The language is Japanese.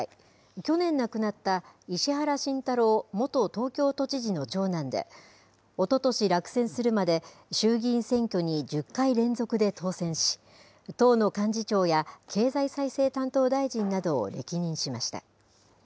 去年亡くなった石原慎太郎元東京都知事の長男で、おととし落選するまで、衆議院選挙に１０回連続で当選し、党の幹事長や経済再生担当大臣などを歴任しました。